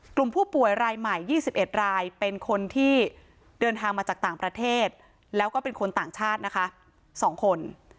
กลุ่มผู้ป่วยรายใหม่๒๑รายเป็นคนที่เดินทางมาจากต่างประเทศแล้วก็เป็นคนต่างชาตินะคะ๒คน